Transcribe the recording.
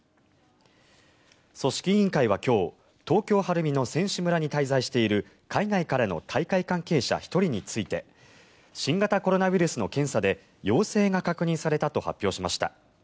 組織委員会は今日、東京・晴海の選手村に滞在している海外からの大会関係者１人について新型コロナウイルスの検査で陽性が確認されたと発表しました。